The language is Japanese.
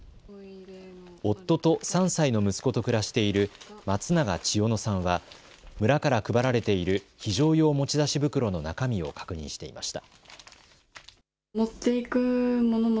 夫と３歳の息子と暮らしている松永千代乃さんは村から配られている非常用持ち出し袋の中身を確認していました。